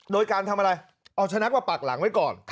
โดยการทำอะไรเอาชนะมาปักหลังไว้ก่อน